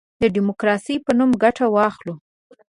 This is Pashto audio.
د ډیموکراسی په نوم ګټه واخلو.